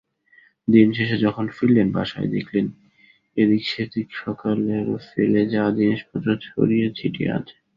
দিনশেষে যখন ফিরলেন বাসায়, দেখলেন এদিক-সেদিক সকালের ফেলে যাওয়া জিনিসপত্র ছড়িয়ে-ছিটিয়ে আছে।